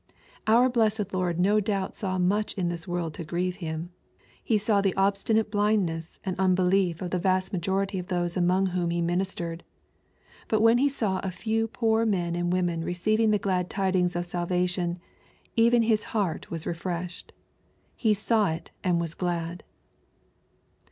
Oar blessed Lord no donbt saw mnch in this world to griere Him. He saw the obstinate blindness and unbe lief of the yast majority of those among whom He ministered. But when He saw a few poor men and women receiving the glad tiding of salvation, even His heart was refreshed. He saw it and was glad.